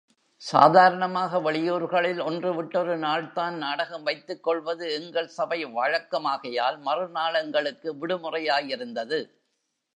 சாதாரணமாக வெளியூர்களில் ஒன்று விட்டொருநாள்தான் நாடகம் வைத்துக்கொள்வது எங்கள் சபை வழக்கமாகையால், மறுநாள் எங்களுக்கு விடுமுறையாயிருந்தது.